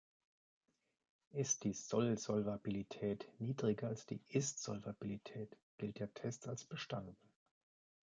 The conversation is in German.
Ist die Soll-Solvabilität niedriger als die Ist-Solvabilität, gilt der Test als bestanden.